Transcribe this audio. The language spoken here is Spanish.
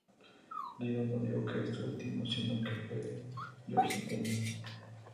Lido no dijo esto último, sino que fue dicho por George Dennis.